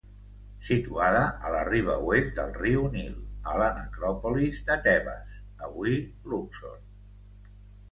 Situada a la riba oest del riu Nil, a la necròpolis de Tebes, avui Luxor.